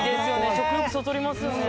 食欲そそりますよね。